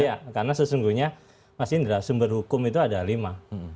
iya karena sesungguhnya mas indra sumber hukum itu ada lima